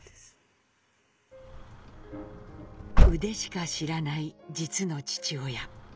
腕しか知らない実の父親。